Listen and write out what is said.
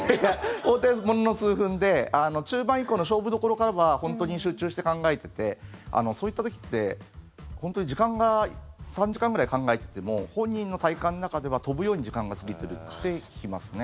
本当にものの数分で中盤以降の勝負どころからは本当に集中して考えていてそういった時って時間が３時間くらい考えていても本人の体感の中では飛ぶように時間が過ぎているって聞きますね。